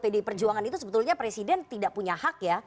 pak jokowi buat pd pejuangan itu sebetulnya presiden tidak punya hak ya